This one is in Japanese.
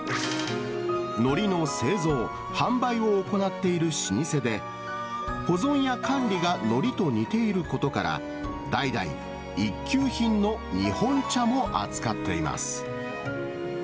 のりの製造・販売を行っている老舗で、保存や管理がのりと似ていることから、代々、一級品の日本茶も扱っています。